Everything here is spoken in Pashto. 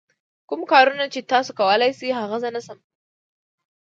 کوم کارونه چې تاسو کولای شئ هغه زه نه شم.